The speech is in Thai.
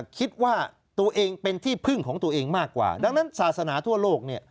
คิดว่าตัวเองเป็นที่พึ่งของตัวเองมากกว่าดังนั้นศาสนาทั่วโลกเนี่ย